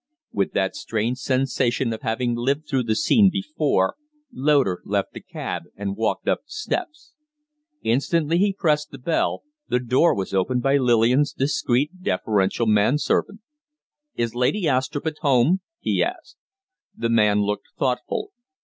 With that strange sensation of having lived through the scene before, Loder left the cab and walked up the steps. Instantly he pressed the bell the door was opened by Lillian's discreet, deferential man servant. "Is Lady Astrupp at home?" he asked. The man looked thoughtful.